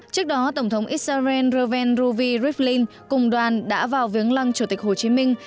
trước đó tổng thống israel reven ruvi rivlin cùng đoàn đã vào viếng lăng chủ tịch hồ chí minh